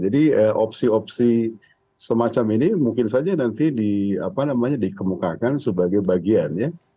jadi opsi opsi semacam ini mungkin saja nanti dikemukakan sebagai bagian ya